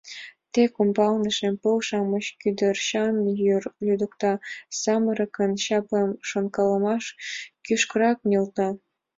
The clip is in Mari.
Тек ӱмбалне шем пыл-шамыч, кӱдырчан йӱр лӱдыкта, Самырыкын чапле шонкалымаш кӱшкырак нӧлта.